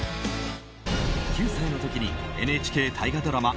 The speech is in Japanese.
９歳の時にＮＨＫ大河ドラマ